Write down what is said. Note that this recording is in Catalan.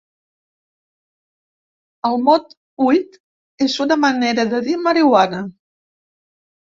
El mot ‘weed’ és una manera de dir ‘marihuana’.